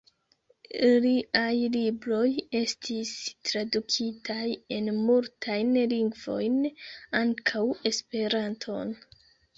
Liaj libroj estis tradukitaj en multajn lingvojn, ankaŭ Esperanton.